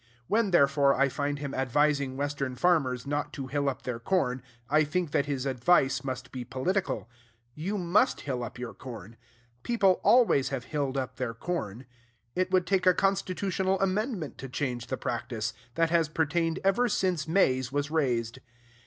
When, therefore, I find him advising Western farmers not to hill up their corn, I think that his advice must be political. You must hill up your corn. People always have hilled up their corn. It would take a constitutional amendment to change the practice, that has pertained ever since maize was raised.